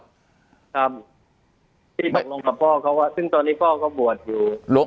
ครับที่ตกลงกับพ่อเขาว่าซึ่งตอนนี้พ่อก็บวชอยู่